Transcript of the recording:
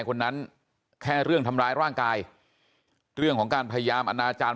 คนนั้นแค่เรื่องทำร้ายร่างกายเรื่องของการพยายามอนาจารย์